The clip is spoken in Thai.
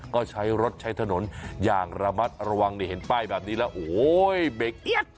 ก็ใช้รถใช้ถนนอย่างระมัดระวังนี่เห็นป้ายแบบนี้แล้วโอ้โหเบรกเอี๊ยด